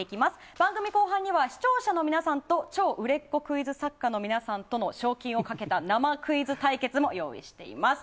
番組後半には視聴者の皆さんと超売れっ子クイズ作家さんたちとの賞金をかけた生クイズ対決も用意しています。